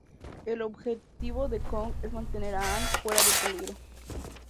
El objetivo de Kong es mantener a Ann fuera de peligro.